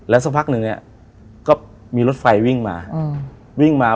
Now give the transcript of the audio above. แล้วสักพักหนึ่งเนี่ยก็มีรถไฟวิ่งมา